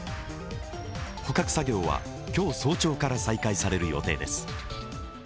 捕獲作業は今日早朝から再開される予定です。